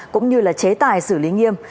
cũng như chế tài xử lý nghiêm